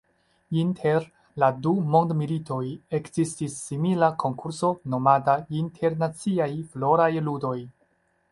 Inter la du mondmilitoj ekzistis simila konkurso nomata Internaciaj Floraj Ludoj.